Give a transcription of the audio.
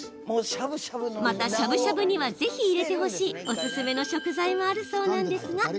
またしゃぶしゃぶには是非入れてほしいオススメの食材もあるそうなんですが。